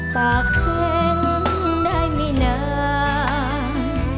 ปากแข็งได้ไม่นาน